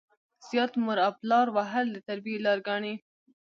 زيات مور او پلار وهل د تربيې لار ګڼي.